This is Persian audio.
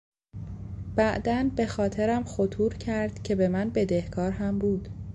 بعدا به خاطرم خطور کرد که به من بدهکار هم بود.